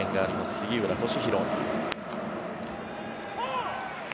杉浦稔大。